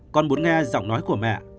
con muốn nghe giọng nói của mẹ